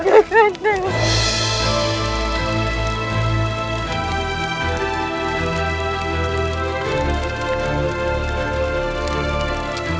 dibanding ket caleb